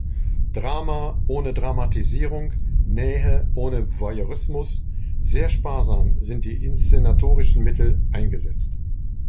Drama ohne Dramatisierung, Nähe ohne Voyeurismus, sehr sparsam sind die inszenatorischen Mittel eingesetzt.